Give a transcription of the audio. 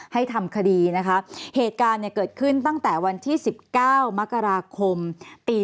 ให้ทำคดีนะคะเหตุการณ์เนี่ยเกิดขึ้นตั้งแต่วันที่๑๙มกราคมปี